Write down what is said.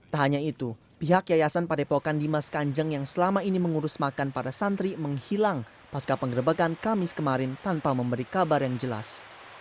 tak hanya itu pihak yayasan padepokan dimas kanjeng yang selama ini mengurus makan para santri menghilang pasca penggerbakan kamis kemarin tanpa memberi kabar yang jelas